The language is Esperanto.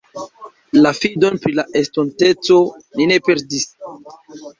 La fidon pri la estonteco ni ne perdis.